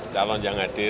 calon yang hadir